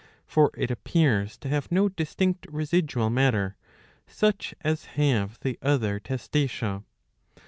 For it appears to have no distinct residual matter, such as have the other Testacea.